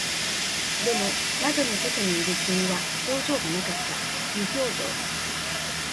でも、窓の外にいる君は表情がなかった。無表情。